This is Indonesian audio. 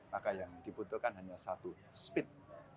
maka yang dibutuhkan hanya satu speed